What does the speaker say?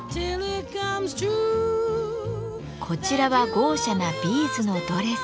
こちらは豪奢なビーズのドレス。